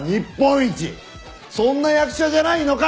そんな役者じゃないのか？